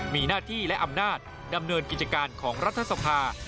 มีหน้าที่และอำนาจดำเนินกิจการของรัฐสภา